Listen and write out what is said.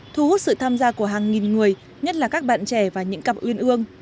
thu hút sự tham gia của hàng nghìn người nhất là các bạn trẻ và những cặp uyên ương